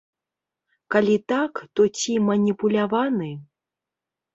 Калі так, то ці маніпуляваны?